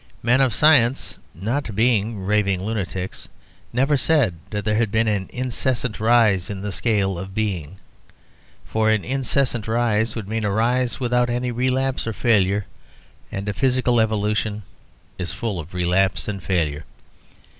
Men of science (not being raving lunatics) never said that there had been "an incessant rise in the scale of being;" for an incessant rise would mean a rise without any relapse or failure; and physical evolution is full of relapse and failure.